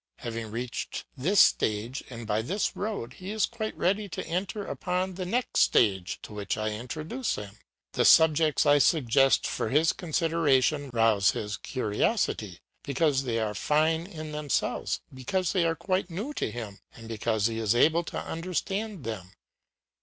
Having reached this stage, and by this road, he is quite ready to enter upon the next stage to which I introduce him; the subjects I suggest for his consideration rouse his curiosity, because they are fine in themselves, because they are quite new to him, and because he is able to understand them.